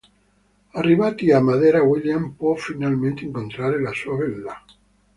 Arrivati a Madera William può finalmente incontrare la sua bella.